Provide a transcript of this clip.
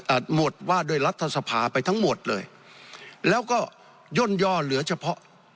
หมวดว่าด้วยรัฐสภาไปทั้งหมดเลยแล้วก็ย่นย่อเหลือเฉพาะ